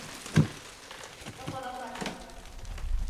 Kafana takma.